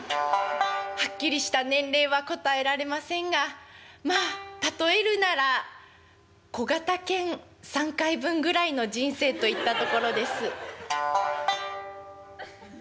はっきりした年齢は答えられませんがまあ例えるなら小型犬３回分ぐらいの人生といったところです」。